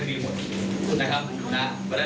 ก็ได้บุรีทั้งประมาณทั้งเอ่อควรมาธิญาณนะครับ